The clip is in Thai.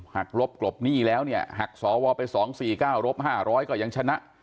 กรบกลบหนี้แล้วเนี่ยหักสวไป๒๔๙รบ๕๐๐ก็ยังชนะ